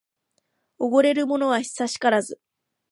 おごれるものは久しからず